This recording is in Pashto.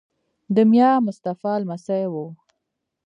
د میا مصطفی لمسی وو.